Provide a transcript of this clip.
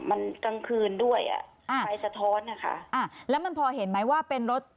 มันกลางคืนด้วยอ่ะอ่าไฟสะท้อนนะคะอ่าแล้วมันพอเห็นไหมว่าเป็นรถ